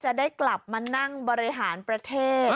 จะได้กลับมานั่งบริหารประเทศ